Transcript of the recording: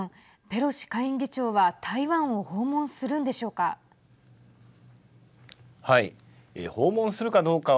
ペロシ下院議長は台湾を訪問するんでしょうか。